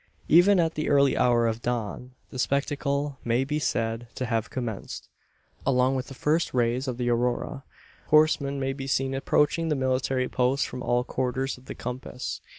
Even at the early hour of dawn, the spectacle may be said to have commenced. Along with the first rays of the Aurora, horsemen may be seen approaching the military post from all quarters of the compass.